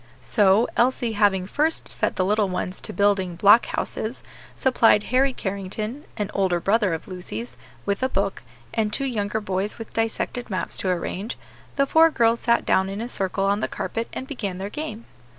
So, Elsie having first set the little ones to building block houses, supplied Harry Carrington an older brother of Lucy's with a book, and two younger boys with dissected maps to arrange, the four girls sat down in a circle on the carpet and began their game.